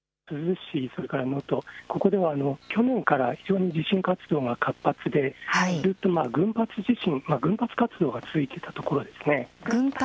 ここでは去年から非常に地震活動が活発で、ずっと群発地震、群発活動が続いていたところです。